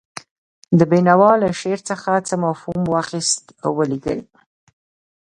د بېنوا له شعر څخه څه مفهوم واخیست ولیکئ.